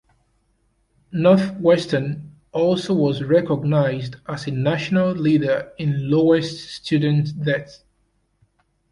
Northwestern also was recognized as a national leader in lowest student debt.